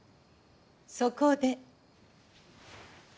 そこで。